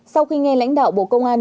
sau khi nghe lãnh đạo bộ công an